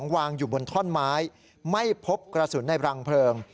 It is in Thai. วางอยู่บนท่อนไม้ไม่พบกระสุนในรังเพลิง